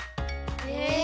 へえ！